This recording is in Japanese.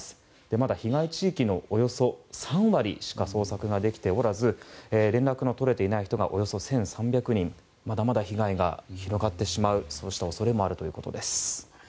まだ被害地域のおよそ３割しか捜索ができておらず連絡の取れていない人がおよそ１３００人とまだまだ被害が広がってしまう恐れもあるということです。